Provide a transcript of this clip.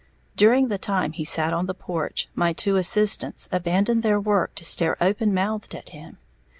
During the time he sat on the porch, my two assistants abandoned their work to stare open mouthed at him.